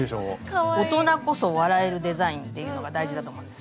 大人こそ笑えるデザインっていうのが大事だと思うんです。